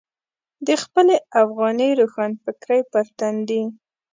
د خپلې افغاني روښانفکرۍ پر تندي.